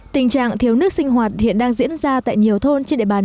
tình trạng thiếu nước sinh hoạt hiện đang diễn ra tại nhiều thôn trên địa bàn